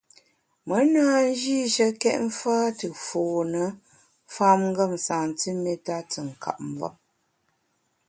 Me na njîshekét mfâ te fône famngem santiméta te nkap mvem.